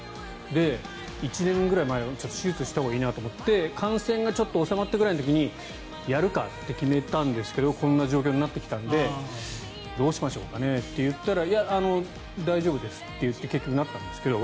で、１年くらい前にちょっと手術したほうがいいなと思って感染がちょっと収まったぐらいの時にやるかって決めたんですけどこんな状況になってきたんでどうしましょうかね？って言ったらいや、大丈夫ですって言って結局なったんですけど。